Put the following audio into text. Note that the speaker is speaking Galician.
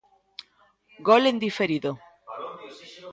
Gol en diferido.